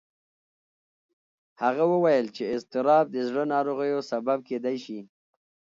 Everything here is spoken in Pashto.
هغه وویل چې اضطراب د زړه ناروغیو سبب کېدی شي.